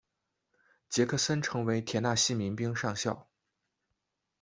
杰克森成为田纳西民兵上校。